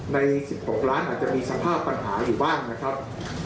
ใน๑๖ล้านอาจจะมีสภาพปัญหาอยู่บ้างนะครับ